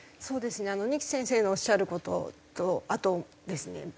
そうですね二木先生のおっしゃる事とあとですね